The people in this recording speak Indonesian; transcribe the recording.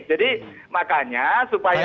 jadi makanya supaya